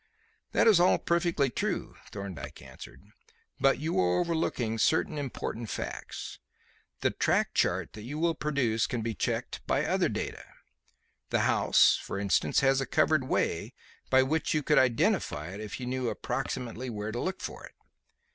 "That is all perfectly true," Thorndyke answered. "But you are overlooking certain important facts. The track chart that you will produce can be checked by other data. The house, for instance, has a covered way by which you could identify it if you knew approximately where to look for it.